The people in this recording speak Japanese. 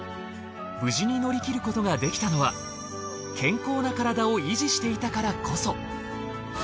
無事に乗り切ることができたのは健康なカラダを維持していたからこそ。